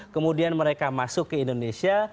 kemudian mereka masuk ke indonesia